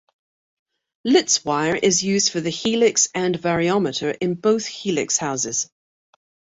Litz wire is used for the helix and variometer in both helix houses.